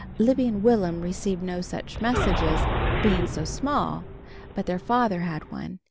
Libby and Will'm received no such messages, being so small, but their father had one.